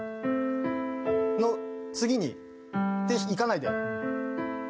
の次に。っていかないで。